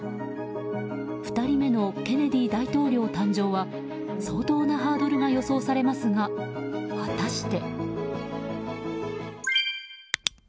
２人目のケネディ大統領誕生は相当なハードルが予想されますが果たして。